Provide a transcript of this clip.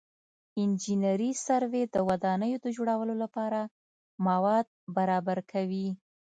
انجنیري سروې د ودانیو د جوړولو لپاره مواد برابر کوي